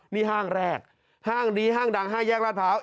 นี่ห้างแรกห้างนี้ห้างดัง๕แยกราชพร้าว